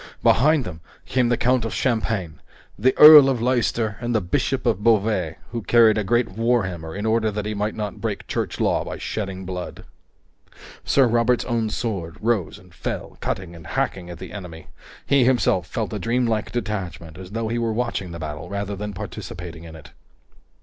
Behind them came the Count of Champagne, the Earl of Leister, and the Bishop of Beauvais, who carried a great warhammer in order that he might not break Church Law by shedding blood. Sir Robert's own sword rose and fell, cutting and hacking at the enemy. He himself felt a dreamlike detachment, as though he were watching the battle rather than participating in it.